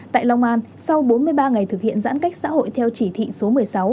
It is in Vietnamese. tại long an sau bốn mươi ba ngày thực hiện giãn cách xã hội theo chỉ thị số một mươi sáu